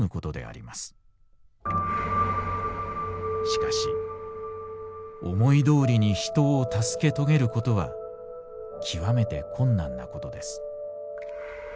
しかし思いどおりに人を助け遂げることはきわめて困難なことです」。